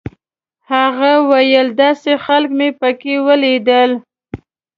هغه ویل داسې خلک مې په کې ولیدل.